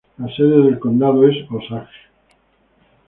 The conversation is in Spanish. La sede del condado es Osage.